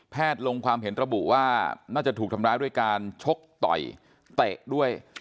ลงความเห็นระบุว่าน่าจะถูกทำร้ายด้วยการชกต่อยเตะด้วย